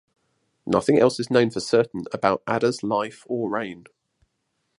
Nothing else is known for certain about Adda's life or reign.